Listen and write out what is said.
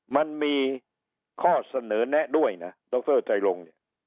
มันมีข้อเสนอแนะด้วยนะดรไตรง